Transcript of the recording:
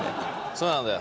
そうなんだよ。